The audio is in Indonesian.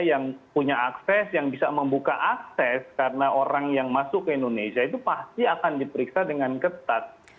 yang punya akses yang bisa membuka akses karena orang yang masuk ke indonesia itu pasti akan diperiksa dengan ketat